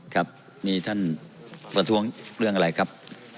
ครับนี่ท่านประท้วงเรื่องอะไรครับ